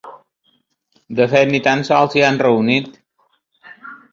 De fet, ni tan sols s’hi han reunit.